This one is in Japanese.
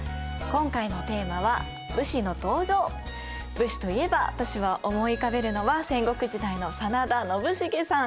武士といえば私は思い浮かべるのは戦国時代の真田信繁さん。